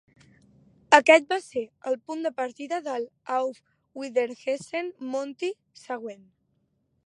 Aquest va ser el punt de partida del "Auf Wiedersehen Monty" següent.